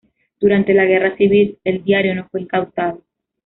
Durante la Guerra civil el diario no fue incautado.